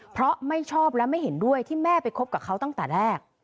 เพราะไม่ชอบและไม่เห็นด้วยที่แม่ไปคบกับเขาตั้งแต่แรก